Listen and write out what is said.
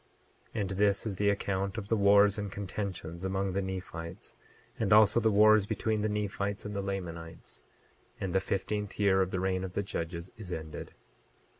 28:9 And this is the account of the wars and contentions among the Nephites, and also the wars between the Nephites and the Lamanites; and the fifteenth year of the reign of the judges is ended.